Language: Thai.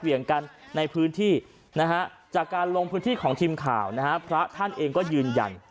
เหวี่ยงกันในพื้นที่นะฮะจากการลงพื้นที่ของทีมข่าวนะฮะพระท่านเองก็ยืนยัน